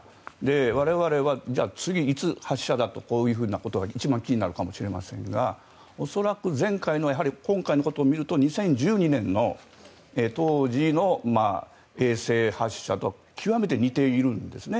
我々はじゃあ次、いつ発射だとこういうふうなことが一番気になるかもしれませんが恐らく、今回のことを見ると２０１２年の当時の衛星発射と極めて似ているんですね。